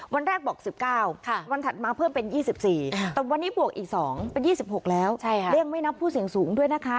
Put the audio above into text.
วันแรกบอกสิบเก้าค่ะวันถัดมาเพิ่มเป็นยี่สิบสี่แต่วันนี้บวกอีกสองเป็นยี่สิบหกแล้วใช่ค่ะเลี่ยงไม่นับผู้เสียงสูงด้วยนะคะ